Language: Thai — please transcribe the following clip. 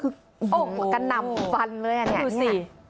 กระหน่ำฟันเลยอันนี้ดูสิ